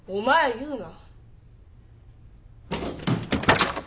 言うな。